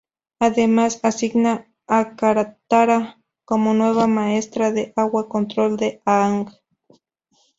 Además asigna a Katara como nueva Maestra de Agua Control de Aang.